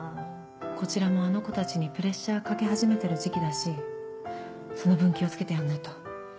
こちらもあの子たちにプレッシャーかけ始めてる時期だしその分気を付けてやんないと。